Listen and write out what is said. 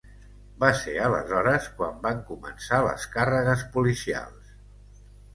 Va ser aleshores quan van començar les càrregues policials.